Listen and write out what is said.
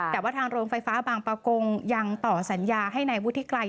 แต่ว่าทางโรงไฟฟ้าบางประกงยังต่อสัญญาให้นายวุฒิไกร